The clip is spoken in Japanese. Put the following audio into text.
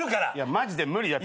マジで無理だって。